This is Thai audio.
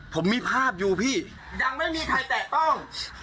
ผมมีภาพอยู่พี่ยังไม่มีใครแตะต้อง